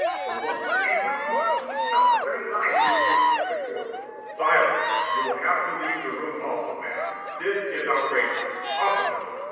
The Woman: "And what's more, he tells a dirty lie when he says " The Court: "Silence! You will have to leave the room also, madam. This is outrageous. Officer!"